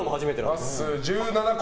まっすー、１７個。